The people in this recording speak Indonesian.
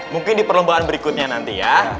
mungkin di perlombaan berikutnya nanti ya